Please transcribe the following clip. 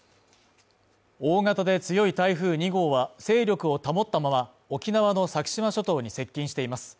大型で強い台風２号は、勢力を保ったまま、沖縄の先島諸島に接近しています。